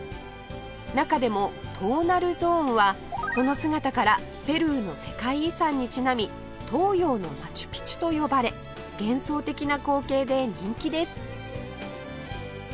中でも東平ゾーンはその姿からペルーの世界遺産にちなみ東洋のマチュピチュと呼ばれ幻想的な光景で人気です